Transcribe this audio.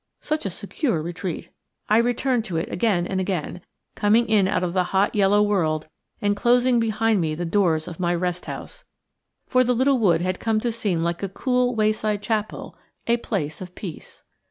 Such a secure retreat! I returned to it again and again, coming in out of the hot yellow world and closing behind me the doors of my 'rest house,' for the little wood had come to seem like a cool wayside chapel, a place of peace.